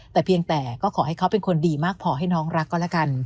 แต่เพียงแต่ก็ขอให้เขาเป็นคนดีมากพอให้น้องรักก็แล้วกัน